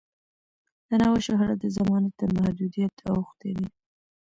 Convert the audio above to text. د ناول شهرت د زمانې تر محدودیت اوښتی دی.